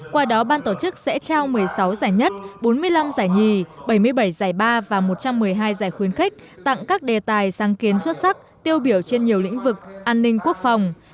qua đó ban tổ chức sẽ trao một mươi sáu giải nhất bốn mươi năm giải nhì bảy mươi bảy giải ba và một trăm một mươi hai giải khuyến khích tặng các đề tài sáng kiến xuất sắc tiêu biểu trên nhiều lĩnh vực an ninh quốc phòng